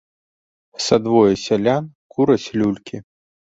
Са двое сялян кураць люлькі.